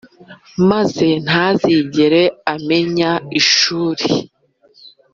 maze ntazigere amenya ishuri.